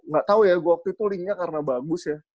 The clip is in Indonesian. nggak tahu ya gue waktu itu linknya karena bagus ya